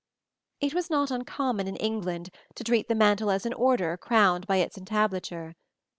It was not uncommon in England to treat the mantel as an order crowned by its entablature.